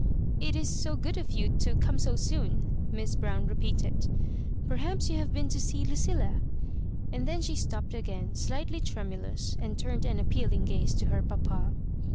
'* It is so good of you to come so soon," Miss Brown repeated ;" perhaps you have been to see Lucilla," and then she stopped again, slightly tremulous, and turned an appealing gaze to her papa.